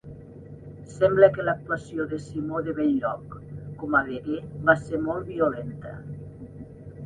Sembla que l'actuació de Simó de Bell-lloc com a veguer va ser molt violenta.